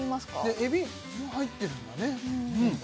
海老も入ってるんだね